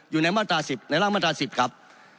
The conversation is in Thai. อยู่ในมาตรา๑๐ในร่างมาตรา๑๐ครับ